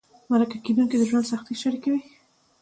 مرکه کېدونکي د ژوند سختۍ شریکوي.